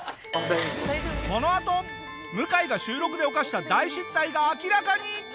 このあと向井が収録で犯した大失態が明らかに！